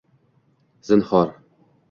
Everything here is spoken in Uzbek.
Zinhor